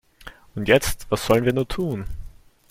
Und jetzt, was sollen wir nur tun?